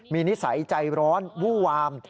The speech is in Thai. มีนิสัยใจร้อนวู้วาม